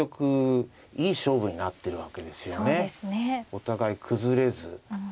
お互い崩れず。